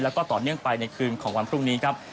แล้วก็ต่อเนื่องไปในคืนของวันพรุ่งนี้ครับ